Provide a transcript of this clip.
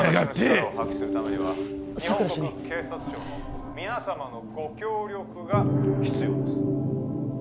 私が力を発揮するためには佐久良主任日本国警察庁の皆様のご協力が必要です